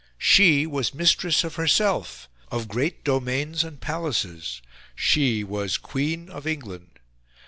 She was mistress of herself, of great domains and palaces; she was Queen of England.